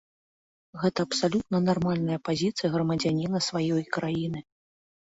Гэта абсалютна нармальная пазіцыя грамадзяніна сваёй краіны.